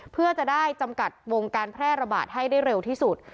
เพื่อจะได้จำกัดวงการแพร่ระบาดให้ได้เร็วที่สุด